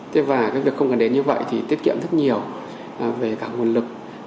tiết kiệm thấp nhiều về cả nguồn lực